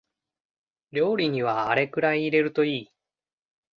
料理にはあれくらい入れるといい